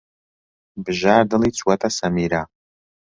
بژار دڵی چووەتە سەمیرە.